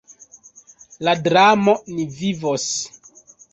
La dramo "Ni vivos!